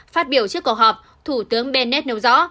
phát biểu trước cuộc họp thủ tướng benet nêu rõ